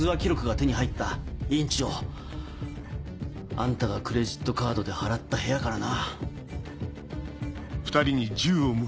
あんたがクレジットカードで払った部屋からな。